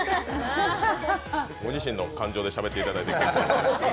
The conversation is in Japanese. ご自身の感情でしゃべっていただいて。